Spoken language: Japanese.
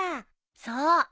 そう。